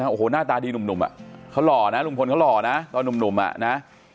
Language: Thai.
โอ้โหหน้าตาดีหนุ่มเขาหล่อนะลุงพลเขาหล่อนะตอนหนุ่มอ่ะนะ